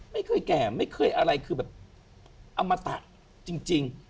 ไม่เคยแก่ไม่เคยอะไรคือแบบอมตะจริง